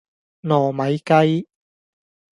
糯米雞